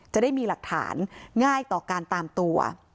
จะได้มีหลักฐานง่ายต่อการตามตัว